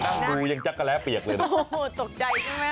ตกใจจริงไหมคะ